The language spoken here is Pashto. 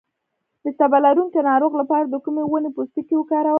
د تبه لرونکي ناروغ لپاره د کومې ونې پوستکی وکاروم؟